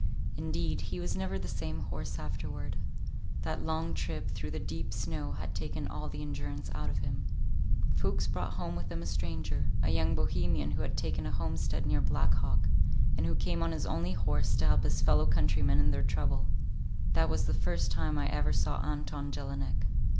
Indeed, he was never the same horse afterward. That long trip through the deep snow had taken all the endurance out of him. Fuchs brought home with him a stranger, a young Bohemian who had taken a homestead near Black Hawk, and who came on his only horse to help his fellow countrymen in their trouble. That was the first time I ever saw Anton Jelinek.